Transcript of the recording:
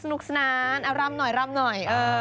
สนุกสนานเอารำหน่อย